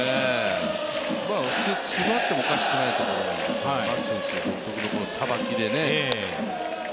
普通、詰まってもおかしくないところなんですが、牧選手独特のさばきでね。